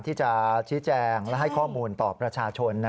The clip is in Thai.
ที่จะชี้แจงและให้ข้อมูลต่อประชาชน